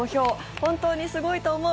本当にスゴいと思う